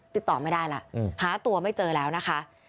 ติดต่อไม่ได้แล้วหาตัวไม่เจอแล้วนะคะ